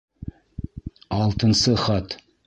Алтынсы хат.